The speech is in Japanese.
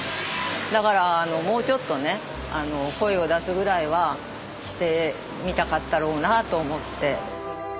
だからもうちょっとね声を出すぐらいはしてみたかったろうなと思って。